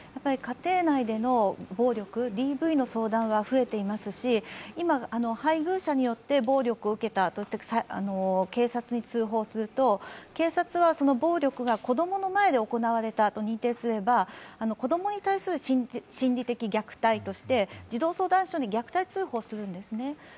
家庭内での暴力、ＤＶの相談は増えていますし今、配偶者によって暴力を受けたといって警察に通報すると警察はその暴力が子供の前で行われたと認定すれば子供に対する心理的虐待として児童相談所に虐待通報するんですね。